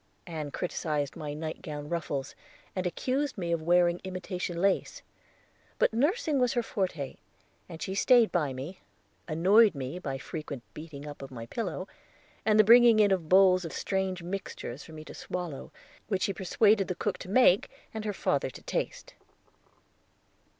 Ann criticised my nightgown ruffles, and accused me of wearing imitation lace; but nursing was her forte, and she stayed by me, annoying me by a frequent beating up of my pillow, and the bringing in of bowls of strange mixtures for me to swallow, which she persuaded the cook to make and her father to taste.